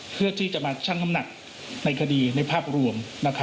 เพื่อที่จะมาชั่งน้ำหนักในคดีในภาพรวม